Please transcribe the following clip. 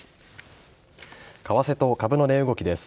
為替と株の値動きです。